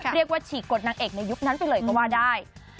ฉีกกฎนางเอกในยุคนั้นไปเลยก็ว่าได้